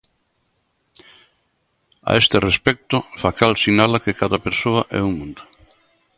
A este respecto, Facal sinala que cada persoa é un mundo.